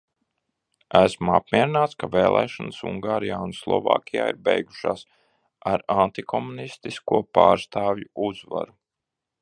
Esmu apmierināts, ka vēlēšanas Ungārijā un Slovākijā ir beigušās ar antikomunistisko pārstāvju uzvaru.